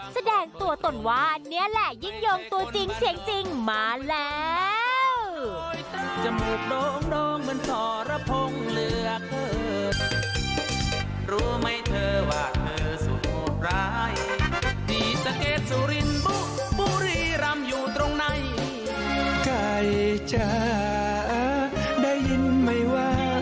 แสดงตัวตนว่าอันนี้แหละยิ่งยงตัวจริงเสียงจริงมาแล้ว